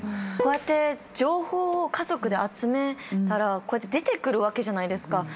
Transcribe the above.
こうやって情報を家族で集めたらこうやって出てくるわけじゃないですか。